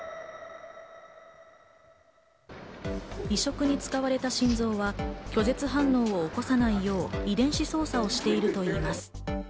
移植に使われた心臓は拒絶反応を起こさないよう遺伝子操作をしているといいます。